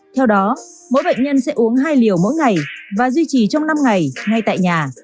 theo đó mỗi bệnh nhân sẽ uống hai liều mỗi ngày và duy trì trong năm ngày ngay tại nhà